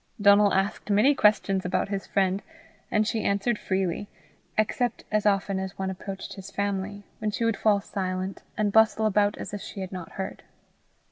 Donal asked many questions about his friend, and she answered freely, except as often as one approached his family, when she would fall silent, and bustle about as if she had not heard.